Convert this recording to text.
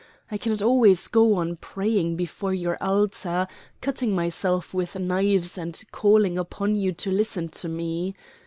I cannot always go on praying before your altar, cutting myself with knives and calling upon you to listen to me.